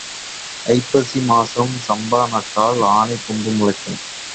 ஐப்பசி மாதத்தில் சம்பா நட்டால் ஆனைக் கொம்பு முளைக்கும்.